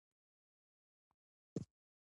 افغانستان له طلا ډک دی.